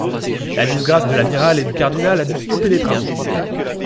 La disgrâce de l’amiral et du cardinal a dû stopper les travaux.